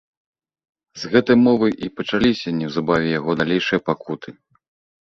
З гэтай мовы і пачаліся неўзабаве яго далейшыя пакуты.